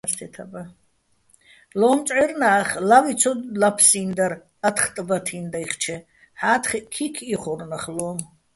ლო́მწვჵერნა́ხ ლავი ცო ლაფსინდარ ათხ ტბათი́ნი̆ დაჲხჩე, ჰ̦ა́თხეჸ ქიქ იხორ ნახ ლო́უმო̆.